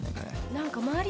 何か周り